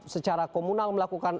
secara komunal melakukan